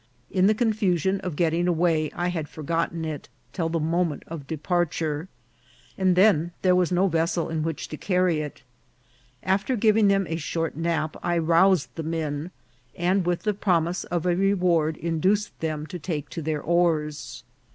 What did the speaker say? In the confusion of getting away I had forgotten it till the moment of departure, and then there was no vessel in which to carry it. After giving them a short nap I roused the men, and with the promise of a reward in duced them to take to their oars.